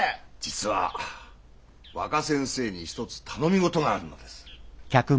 実は若先生に一つ頼み事があるのです。